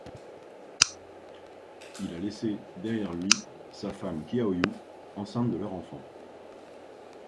Il a laissé derrière lui sa femme Qiao Yue, enceinte de leur enfant.